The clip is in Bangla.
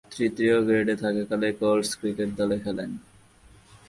তৃতীয় গ্রেডে থাকাকালে কোল্টস ক্রিকেট দলে খেলেন।